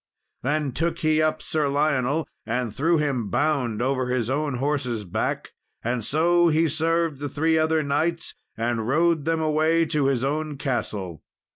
Then took he up Sir Lionel, and threw him bound over his own horse's back; and so he served the three other knights, and rode them away to his own castle.